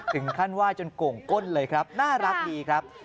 ถึงขั้นไหว้จนโก่งก้นเลยครับน่ารักดีครับ